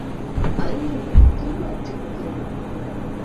அருங்கோடை தும்பு அற்றுப் போகிறது.